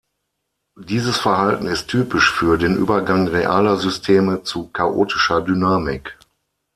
Dieses Verhalten ist typisch für den Übergang realer Systeme zu chaotischer Dynamik.